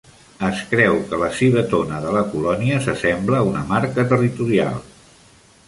Es creu que la civetona de la colònia s'assembla a una marca territorial.